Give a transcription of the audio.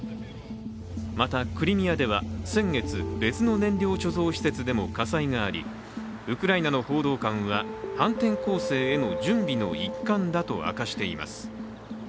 またクリミアでは先月、別の燃料貯蔵施設でも火災がありウクライナの報道官は反転攻勢への準備の一環だと明かしています。